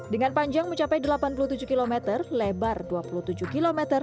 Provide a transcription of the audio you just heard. dengan panjang mencapai delapan puluh tujuh km lebar dua puluh tujuh km